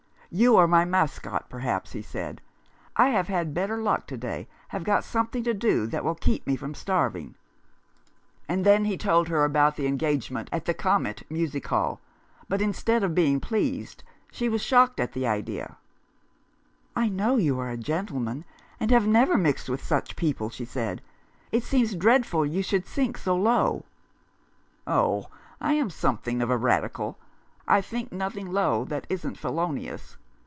"You are my Mascotte, perhaps," he said. "I have had better luck to day — have got something to do that will just keep me from starving." 36 A F ellow feeling And then he told her about the engagement at the Comet Music Hall ; but instead of being pleased, she was shocked at the idea. " I know you are a gentleman, and have never mixed with such people," she said. " It seems dreadful you should sink so low." " Oh, I am something of a Radical. I think nothing low that isn't felonious.